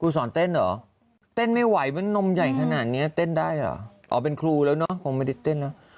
สอนเต้นเหรอเต้นไม่ไหวมันนมใหญ่ขนาดนี้เต้นได้เหรออ๋อเป็นครูแล้วเนอะคงไม่ได้เต้นเนอะ